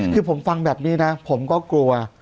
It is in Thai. คือผมฟังแบบนี้นะผมก็กลัว